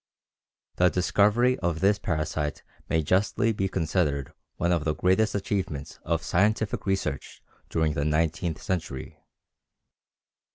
The discovery of this parasite may justly be considered one of the greatest achievements of scientific research during the nineteenth century.